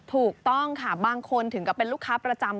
ถูกต้องค่ะบางคนถึงกับเป็นลูกค้าประจำ